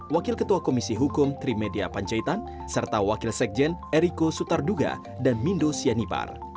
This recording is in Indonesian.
wakil ketua komisi hukum trimedia panjaitan serta wakil sekjen eriko sutarduga dan mindo sianipar